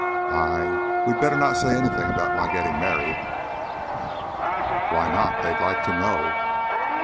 "I We better not say anything about my gettin' married." "Why not? They'd like to know."